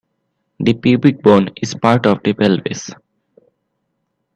The pubic bone is part of the pelvis.